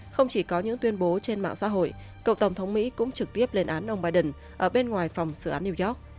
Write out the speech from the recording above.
không chỉ có những tuyên bố trên mạng xã hội cựu tổng thống mỹ cũng trực tiếp lên án ông biden ở bên ngoài phòng xử án new york